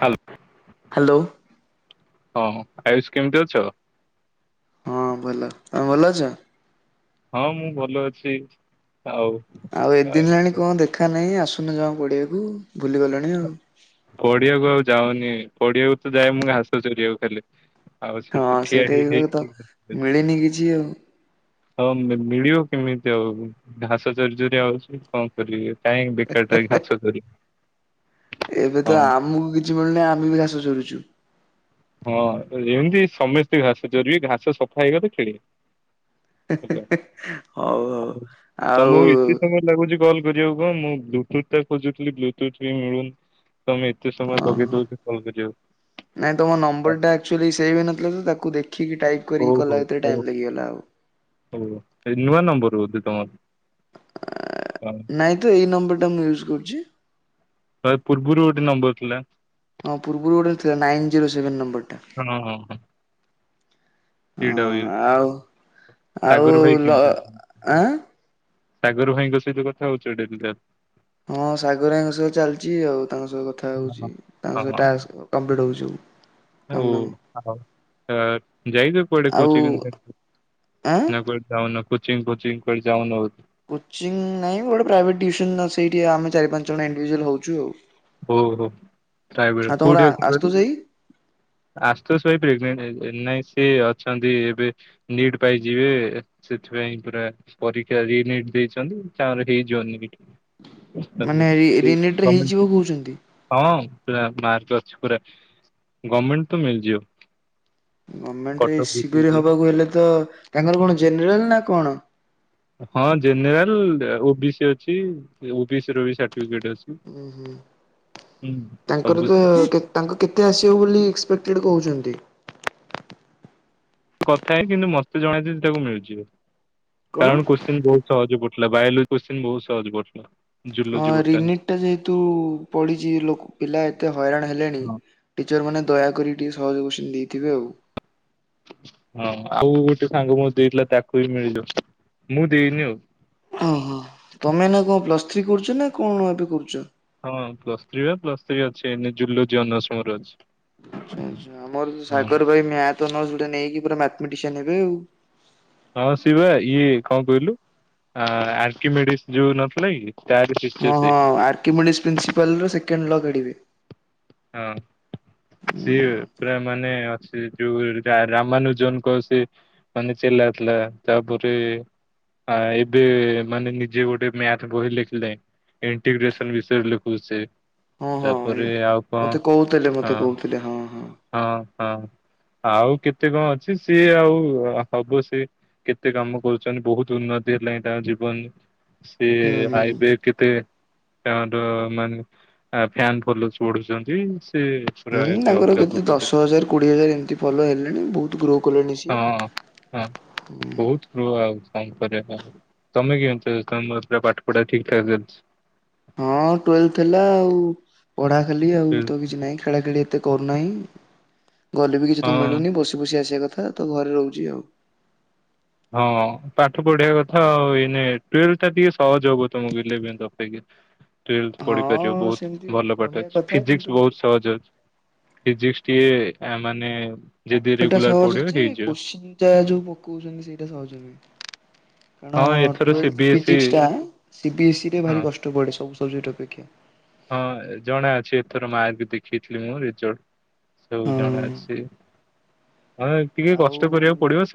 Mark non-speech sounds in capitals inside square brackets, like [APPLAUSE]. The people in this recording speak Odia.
ହାଲୋ ହ୍ୟାଲୋ ହଁ ଆୟୁଷ୍ କେମିତି ଅଛ? ହଁ ଭଲ ତମେ ଭଲ ଅଛ? ହଁ ମୁଁ ଭଲ ଅଛି ଆଉ ଆଉ ଆ, ଏତେଦିନ ହେଲାଣି କଣ ଦେଖା ନାହିଁ ଆସୁନ ଯମା ପଡିବାକୁ ଭୁଲିଗଲଣି ଆଉ। ପଡିଆକୁ ଆଉ ଯାଉନି ପଡିଆକୁ ତ ଯାଏ ମୁଁ ଘାସ ଚରିିବାକୁ ଖାଲି। ଆଉ ସେଇଟି ତ ହଁ ଠିଆ ସେଇଟା ଠିଆ ଏଇଭଳିଆ ତ ହେଇ ମିଳିନି କିଛି ଆଉ ହଁ ମିଳିବ କେମିତି ଆଉ ଘାସ ଚରି ଚରି ଆଉଚି କଣ ମୁଁ କହିଲି କାଇଁ ବେକାର୍ ଟା ରେ ଘାସ ଚରିବା। ଏବେ ତ ଆମକୁ କିଛି ମିଳୁନି ଆମେ ବି ଘାସ ଚରୁଚୁ। ହଁ ଏମିତି ସମସ୍ତେ ଘାସ ଚରିବେ ଘାସ ସଫା ହେଇଗଲେ ଖେଳିବେ। ହିଁ ହେଲା -ହିଁ ହଉ -ହଉ ଆଉ ଲାଗୁଚି କଲ୍ କରିବାକୁ ମୁଁ ବ୍ଲୁଟୁଥ୍ ଟା ଖୋଜୁଥିଲି ବ୍ଲୁଟୁଥ୍ ବି ମିଳୁନ ତମେ କେତେ ସମୟ ଓହୋ। ଲଗେଇ ଦଉଚି କଲ୍ କରିବାକୁ। ନାଇଁ ତମ ନମ୍ବର ଟା ଆକ୍ଚୁଆଲି ସେଭ୍ ହେଇ ନଥିଲା ତ ତାକୁ ଦେଖିକି ଟାଇପ୍ କରିକି କଲା ଏତେ ଟାଇମ୍ ଲାଗିଗଲା ଆଉ। ଓ ଏ ନୂଆ ନମ୍ବର ହଉଚି ତମର ହଁ। ନାଇଁ ତ ଏଇ ନମ୍ବରଟା ମୁଁ ୟୁଜ୍ କରୁଚି। [UNINTELLIGIBLE] ପୂର୍ବରୁ ଗୋଟେ ନମ୍ବର ଥିଲା। ହଁ ପୂର୍ବରୁ ଗୋଟେ ଥିଲା ନାଇନ୍ ଜିରୋ ସେଭେନ୍ ନମ୍ବର୍ ଟା। [UNINTELLIGIBLE] ସେଇଟା ହଁ ଇଏ ଆଉ ଆଉ ସାଗର ଭାଇ ଲ କେମିତି ଅଛନ୍ତି ଆଁ ସାଗର ଭାଇଙ୍କ ସହିତ କଥା ହଉଚ ଡେଲି। [UNINTELLIGIBLE] ହଁ ସାଗର ଭାଇଙ୍କ ସହ ଚାଲିଚି ଆଉ ତାଙ୍କ ସହ କଥା କଥା ହଉଚି ହଁ ତାଙ୍କ ହଁ ସହ ଟାସ୍କ୍ କମ୍ପ୍ଲିଟ୍ [UNINTELLIGIBLE] କାମ ହଉ ଦାମ ଆଉ ଆ-ଯାଇଚ କୁଆଡେ ଆଉ [UNINTELLIGIBLE] ଆଁ ନା କୁଆଡେ ଯାଉନ କୋଚିଙ୍ଗ୍ କୋଚିଙ୍ଗ୍ କୁଆଡେ ଯାଉନ ବୋ କୋଚିଂ ନାଇଁ ଗୋଟେ ପ୍ରାଇଭେଟ୍ ଟ୍ୟୁସନ୍ ସେଇଠି ଆମେ ଚାରି ପାଞ୍ଚ ଜଣ ଇଣ୍ଡିଭିଜୁଆଲ୍ ହଉଚୁ ଆଉ। ଆଉ ତମର ଆଶୁତୋଷ ଭାଇ [UNINTELLIGIBLE] [UNINTELLIGIBLE] ନିଟ୍ ପାଇ ଯିବେ ଏ-ସେଥିପାଇଁ ପୁରା ପରୀକ୍ଷା ରି ନିଟ୍ ଦେଇଚନ୍ତି ତାପରେ ହେଇଯିବ ନିଟ୍। ମାନେ ରି- ରି ନିଟ୍ ରେ ଗମେଣ୍ଟ ହେଇଯିବ କହୁଚନ୍ତି। ହଁ ପୁରା ମାର୍କ ଅଛି ପୁରା ଗମେଣ୍ଟ୍ ତ ମିଳିଯିବ। ଗମେଣ୍ଟ୍ ରେ Cuttack A C B BPD ହବାକୁ ହେଲେ ତ ତାଙ୍କର କଣ ଜେନେରାଲ୍ ନା କଣ? ହଁ ଜେନେରାଲ୍ ଓ ବି ସି ଅଛି ଓ ବି ସି ର ବି ସାର୍ଟିଫିକେଟ୍ ଅଛି। ହୁଁ- ହୁଁ ହୁଁ ତାଙ୍କର ସବୁ ତ କେତ୍ ତାଙ୍କୁ କେତେ ଆସିବ ବୋଲି ଏକ୍ସପେକ୍ଟେଡ୍ କହୁଚନ୍ତି? କଥା ହେଇ କିନ୍ତୁ ମତେ ଜଣେଇ ଦେଲେ ତାକୁ ମିଳିଯିବ କଣ? କାରଣ କୋଶ୍ଚିନ୍ ବହୁତ୍ ସହଜ ପଡିଥିଲା ବାୟଲୋଜି କୋଶ୍ଚିନ୍ ବହୁତ୍ ସହଜ ପଡିଥିଲା। ହଁ ଜୁଲୋଜି ବୋଟାନି। ରିନିଟ୍ ଟା ଯେହେତୁ ପଡିଚି ଲୋ-ପିଲା ଏତେ ହଇରାଣ ହେଲେଣି ହଁ ଟିଚର୍ ମାନେ ଦୟାକରି ଟିକେ ସହଜ କୋଶ୍ଚିନ୍ ଦେଇଥିବେ ଆଉ। ହଁ ଆଉ ଗୋଟେ ସାଙ୍ଗ ମୋତେ ଦେଇଥିଲା ତାକୁ ବି ମିଳିଯିବ ମୁଁ ଦେଇନି ଆଉ। ଓହୋ ତମେ ଏଇନା କଣ ପ୍ଲସ୍ ଥ୍ରୀ କରୁଚ ନା କଣ ଏବେ କରୁଚ? ହଁ ପ୍ଲସ୍ ଥ୍ରୀ ବା ପ୍ଲସ୍ ଥ୍ରୀ ଅଛି ଏଇନେ ଜୁଲୋଜି ଅନର୍ସ ମୋର ଅଛି। ଆଛ ଆଚ୍ଛା ଆମର ହଁ ସାଗର୍ ଭାଇ ମ୍ୟାଥ୍ ଅନର୍ସ ଗୋଟେ ନେଇକି ପୁରା ମ୍ୟାଥ୍ ମେଟିସିଆନ୍ ହେବେ ଆଉ। ହଁ ସିଏ ବା ଇଏ କଣ କହିଲୁ ଆ-ଆଣ୍ଟିମେଡିସ୍ ଯଉ ନଥିଲା କି? ପାର ଫୁଛି [INAUDIBLE] କିମଣିସ୍ ପ୍ରିନ୍ସିପାଲ୍ର ସେକେଣ୍ଡ ଲ କା଼ଢ଼ିବେ। ହଁ ସିଏ। ପୁରା ମାନେ ଅ ସେ ଯୋଉ ରମାନୁଜନଙ୍କ ସେ ମାନେ ଚିଲାଥିଲା ତାପରେ ଆ ଏବେ ମାନେ ନିଜେ ଗୋଟେ ମ୍ୟାଥ ବହି ଲେଖିଲେ। ଇଣ୍ଟିଗ୍ରେସନ ବିଷୟରେ ଲେଖୁଛି ସେ ହଁ ହଁ ତାପରେ ଆଉ କଣ ମତେ କହୁଥିଲେ ମତେ ହଁ କହୁଥିଲେ ହଁ ହଁ। ହଁ ହଁ ଆଉ କେତେ କଣ ଅଛି ସିଏ ଆଉ ହବ ସି କେତେ କାମ କରୁଛନ୍ତି ବହୁତ ଉନ୍ନତି ହେଲାଣି ତାଙ୍କ ଜୀବନ। ସେ ହୁଁ ହୁଁ। ଆଇବେ କେତେ ତାର ମାନେ ଫ୍ୟାାନ ଫଲୋର୍ସ ବଢୁଛନ୍ତି ସେ ପୁରାଲ ଏ ଦଶ ହଜାର କୋଡିଏ ହଜାର ଏମିତି ଫଲୋ ହେଲେଣି ବହୁତ ଗ୍ରୋ କଲେଣି ସିଏ ହୁଁ ରୁହ ଆଉ କଣ କରିବା କହ ତମେ କେମତି ତମର ପୁରା ପାଠ ପଢା ଠିକ୍ ଠା ଚାଲିଛି? ହଁ ଟୁଏଲଭ ଥିଲା ଆଉ ପଢା ଖାଲି ଆଉ ତ କିଛି ନାହିଁ ଖେଳା ଖେଳି ଏତେ କରୁନାହିଁ ଗଲେ ବି କିଛି ତ ହଁ ମିଳୁନି ବସି ବସି ଆସିବା କଥା ତ ଘରେ ରହୁଛି ଆଉ। ହଁ। ପାଠ ପଢିବା କଥା ଆଉ ଏଇନେ ଟୁଏଲଭ ଟା ଟିକେ ସହଜ ହବ ତମକୁ ଇଲେଭେନ ଅପେକ୍ଷା। ଟୁଇଲଥ ପଢିପାରିବ ହଁ ସେମିତି ବହୁତ ଭଲ ପାଠ କହିବା ଅଛି କଥା ଫିଜିକ୍ସ କିନ୍ତୁ ବହୁତ ସହଜ ଅଛି। ଫିଜିକ୍ସଟିଏ ଏ ମାନେ ଯଦି ପାଠ ଟା ରେଗୁଲାର ସହଜ ପଢିବ ଯେ ହେଇଯିବ। କୋଶ୍ଚିନ ଟା ଯୋଉ ପକଉଛନ୍ତି ସେଇଟା ସହଜ ନୁଁହେ କାରଣ ହଁ ଏଥର C B twelfth S E ଫିଜିକ୍ସଟା ସିବିଏସ୍ଇ ରେ ହଁ ଭାରି କଷ୍ଟ ପଡେ ସବୁ ସବଜେକ୍ଟ ଅପେକ୍ଷା। ହଁ ଜଣା ଅଛି ଏଥର ମାର୍କ ଦେଖେଇଥିଲି ମୁଁ ରେଜଲ୍ଟ। ସବୁ ହଁ ଜଣା ଅଛି ହଁ ଏ ଟିକେ ଆଉ କଷ୍ଟ କରିବାକୁ ପଡିବ ସା